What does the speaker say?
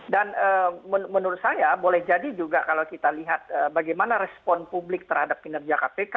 dan menurut saya boleh jadi juga kalau kita lihat bagaimana respon publik terhadap kinerja kpk